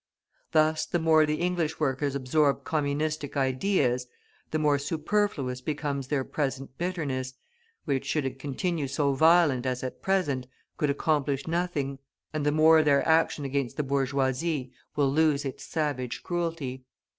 Thus the more the English workers absorb communistic ideas, the more superfluous becomes their present bitterness, which, should it continue so violent as at present, could accomplish nothing; and the more their action against the bourgeoisie will lose its savage cruelty.